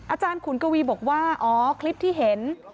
อาจารย์ขุนกวีบอกว่าอ๋อคลิปที่เห็น